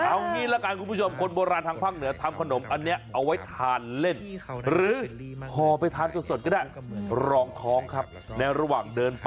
เอางี้ละกันคุณผู้ชมคนโบราณทางภาคเหนือทำขนมอันนี้เอาไว้ทานเล่น